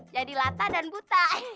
jadi latang dan buta